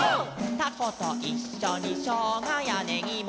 「たこといっしょにしょうがやねぎも」